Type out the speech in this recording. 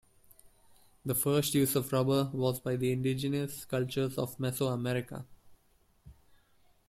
The first use of rubber was by the indigenous cultures of Mesoamerica.